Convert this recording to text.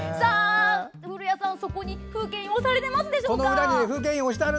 古谷さん、そこに風景印押されていますでしょうか？